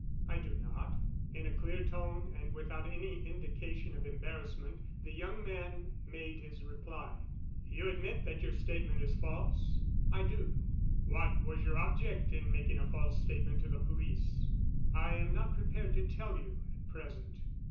"I do not." In a clear tone and without any indication of embarrassment the young man made his reply. "You admit that your statement is false?" "I do." "What was your object in making a false statement to the police?" "I am not prepared to tell you at present."